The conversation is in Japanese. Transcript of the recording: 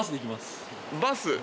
バス？